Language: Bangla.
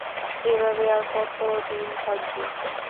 এভাবে আর কতদিন থাকবি?